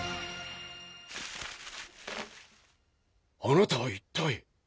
あなたは一体？